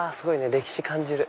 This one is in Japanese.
歴史感じる。